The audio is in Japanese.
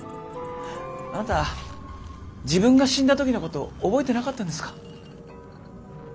あなた自分が死んだ時のこと覚えてなかったんですか？